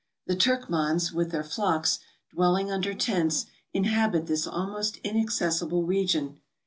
The Turkmans, with their flocks, dwelling under tents, inhabit this almost inaccessible region.